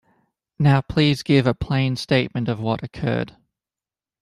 Now please give a plain statement of what occurred.